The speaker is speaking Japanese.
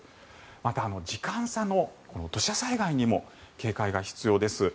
また、時間差の土砂災害にも警戒が必要です。